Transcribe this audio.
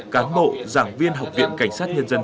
cán bộ giảng viên học viện cảnh sát nhân dân